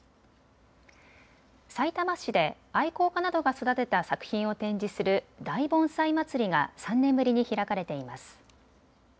さいたま市で愛好家などが育てた作品を展示する大盆栽まつりが３年ぶりに開かれています。